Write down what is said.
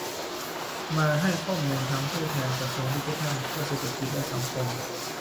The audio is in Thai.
มาให้ข้อมูลทั้งผู้แทนกระทรวงดิจิทัลเพื่อเศรษฐกิจและสังคม